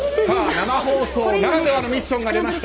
生放送ならではのミッションが出ました。